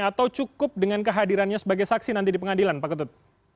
atau cukup dengan kehadirannya sebagai saksi nanti di pengadilan pak ketut